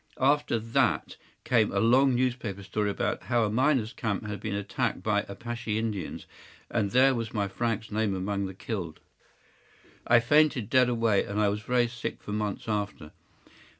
After that came a long newspaper story about how a miners’ camp had been attacked by Apache Indians, and there was my Frank’s name among the killed. I fainted dead away, and I was very sick for months after.